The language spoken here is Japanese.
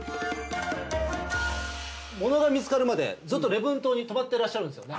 ものが見つかるまでずっと礼文島に泊まってらっしゃるんですよね？